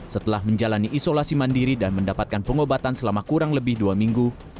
setelah menjalani isolasi mandiri dan mendapatkan pengobatan selama kurang lebih dua minggu